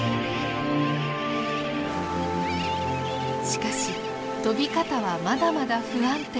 しかし飛び方はまだまだ不安定。